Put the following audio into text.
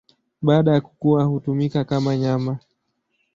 Baada ya kukua hutumika kama nyama.